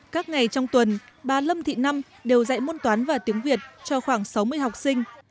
các ngày trong tuần bà lâm thị năm đều dạy môn toán và tiếng việt cho khoảng sáu mươi học sinh